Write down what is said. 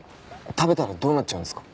食べたらどうなっちゃうんですか？